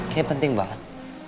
kayaknya penting banget